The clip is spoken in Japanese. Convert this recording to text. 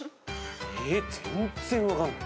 え全然分かんない。